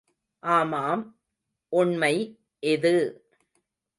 – ஆமாம், உண்மை இது!